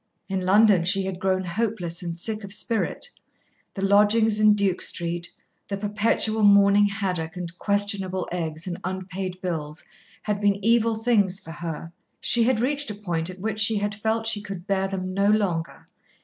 In London she had grown hopeless and sick of spirit. The lodgings in Duke Street, the perpetual morning haddock and questionable eggs and unpaid bills, had been evil things for her. She had reached a point at which she had felt she could bear them no longer.